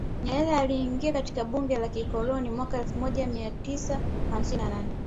Nyerere aliingia katika bunge la kikoloni mwaka elfu moja mia tisa hamsini na nane